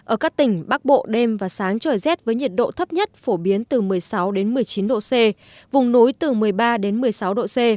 ở các tỉnh bắc bộ đêm và sáng trời rét với nhiệt độ thấp nhất phổ biến từ một mươi sáu đến một mươi chín độ c vùng núi từ một mươi ba đến một mươi sáu độ c